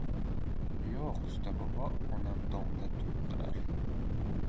— Yo‘q, usto bobo, onam “dom”da turibdilar.